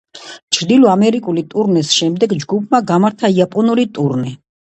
ჩრდილო ამერიკული ტურნეს შემდეგ ჯგუფმა გამართა იაპონური ტურნე.